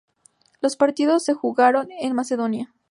Los partidos se jugaron en Macedonia.